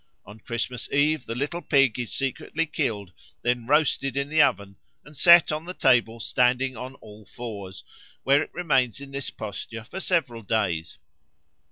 On Christmas Eve the little pig is secretly killed, then roasted in the oven, and set on the table standing on all fours, where it remains in this posture for several days.